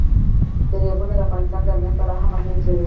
دریابونه د افغانستان د امنیت په اړه هم اغېز لري.